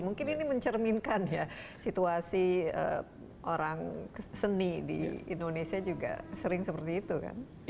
mungkin ini mencerminkan ya situasi orang seni di indonesia juga sering seperti itu kan